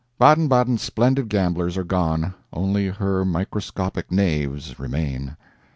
Baden Baden's splendid gamblers are gone, only her microscopic knaves remain.